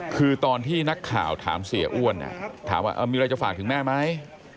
คือตอนที่นักข่าวถามเสียอ้วนถามว่ามีอะไรจะฝากถึงแม่ไหม